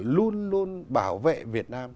luôn luôn bảo vệ việt nam